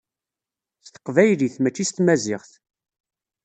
S teqbaylit, mačči s tmaziɣt.